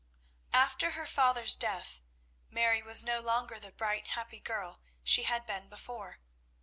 After her father's death, Mary was no longer the bright happy girl she had been before.